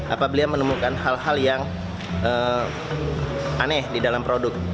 apabila menemukan hal hal yang aneh di dalam produk